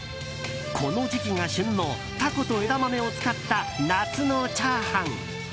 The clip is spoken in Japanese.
この時期が旬のタコと枝豆を使った夏のチャーハン。